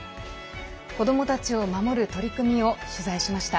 子どもたちを守る取り組みを取材しました。